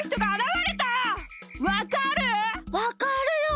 わかるよ！